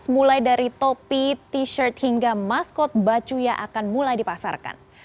mulai dari topi t shirt hingga maskot bacu yang akan mulai dipasarkan